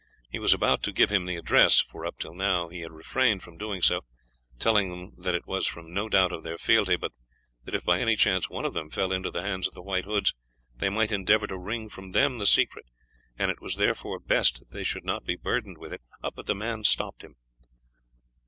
He was about to give him the address for up till now he had refrained from doing so, telling them that it was from no doubt of their fidelity, but that if by any chance one of them fell into the hands of the White Hoods they might endeavour to wring from them the secret, and it was therefore best that they should not be burdened with it but the man stopped him.